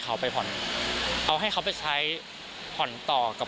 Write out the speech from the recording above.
กลัวอะไรครับ